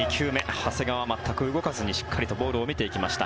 長谷川は全く動かずにしっかりとボールを見ていきました。